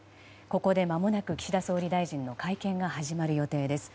ここで間もなく岸田総理大臣の会見が始まる予定です。